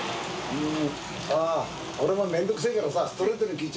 うん。